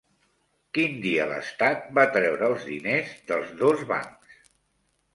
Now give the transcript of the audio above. Quin dia l'Estat va treure els diners dels dos bancs?